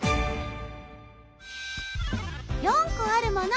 ・４こあるもの